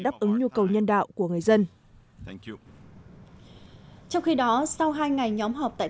đáp ứng nhu cầu nhân đạo của người dân trong khi đó sau hai ngày nhóm họp tại